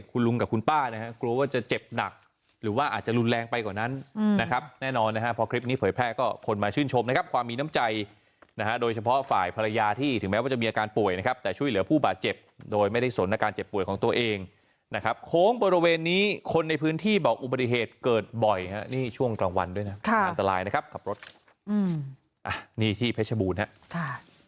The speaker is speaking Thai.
แต่ช่วยเหลือผู้บาดเจ็บโดยไม่ได้สนในการเจ็บป่วยของตัวเองนะครับโค้งบริเวณนี้คนในพื้นที่บอกอุบัติเหตุเกิดบ่อยน่ะนี่ช่วงกลางวันด้วยน่ะค่ะอันตรายนะครับขับรถอืมนี่ที่เพชรบูรณ์น่ะค่ะ